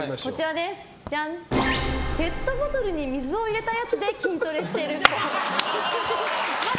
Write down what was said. ペットボトルに水を入れたやつで筋トレしてるっぽい。